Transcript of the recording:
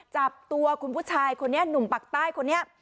จับตัวคุณผู้ชายคนนี้หนุ่มปักใต้คนนี้